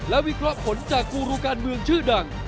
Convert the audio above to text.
และวิเคราะห์ผลจากกูรูการเมืองชื่อดัง